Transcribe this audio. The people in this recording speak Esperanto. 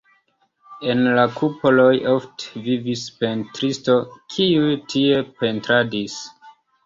En la kupoloj ofte vivis pentristoj, kiuj tie pentradis.